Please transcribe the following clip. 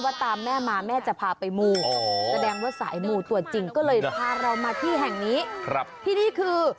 ตามแม่มาแม่จะพาไปมูแสดงว่าสายมูตัวจริงก็เลยพาเรามาที่แห่งนี้ที่นี่คือ